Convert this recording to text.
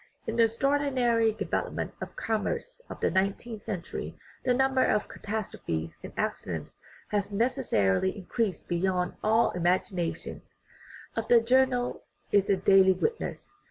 In the extraordinary development of commerce of the nineteenth century the number of catastrophes and accidents has necessarily increased beyond all imagi nation ; of that the journal is a daily witness.